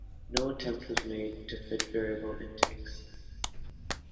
No attempt was made to fit variable intakes.